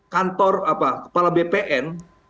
kantor kepala bpn